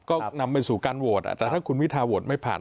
ก็นำไปสู่การโหวตแต่ถ้าคุณวิทาโหวตไม่ผ่าน